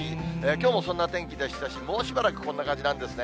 きょうもそんな天気でしたし、もうしばらくそんな感じなんですね。